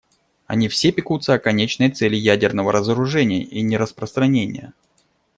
Они все пекутся о конечной цели ядерного разоружения и нераспространения.